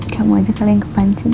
kamu aja kali yang kepancing